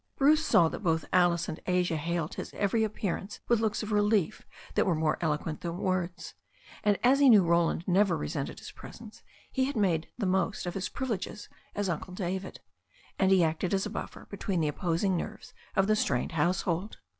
Bruce saw that both Alice and Asia hailed his every appearance with looks of relief that were more eloquent than words, and as he knew Roland never re sented his presence he had made the most of his privileges as Uncle David, and he had acted as a buffer between the opposing nerves of the strained household.